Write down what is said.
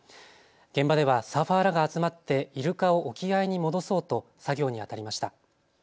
現場ではサーファーらが集まってイルカを沖合に戻そうと作業にあたりました。